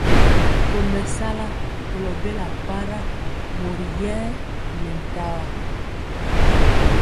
Tomesala kolo bela para mori yɛɛ nɛ ntaya.